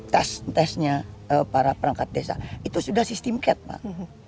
tes tesnya para perangkat desa itu sudah sistem cat pak